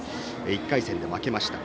１回戦で負けました。